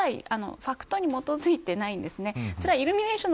ファクトに基づいてないんですね。